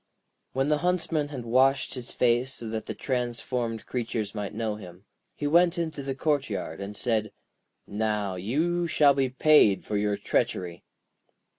] When the Huntsman had washed his face so that the transformed creatures might know him, he went into the courtyard, and said: 'Now, you shall be paid for your treachery.'